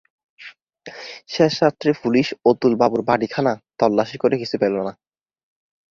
শেষ রাত্রে পুলিস অতুল বাবুর বাড়ি খানা তল্লাশি করে কিছু পেল না।